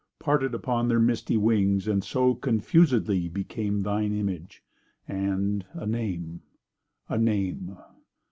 Parted upon their misty wings, And, so, confusedly, became Thine image, and—a name—a name!